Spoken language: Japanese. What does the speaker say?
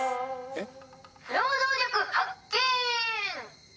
えっ？